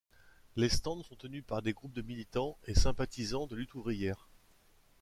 Les stands sont tenus par des groupes de militants et sympathisants de Lutte ouvrière.